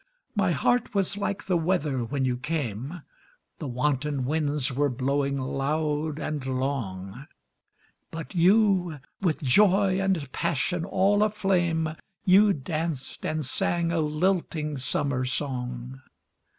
My heart was like the weather when you came, The wanton winds were blowing loud and long; But you, with joy and passion all aflame, You danced and sang a lilting summer song.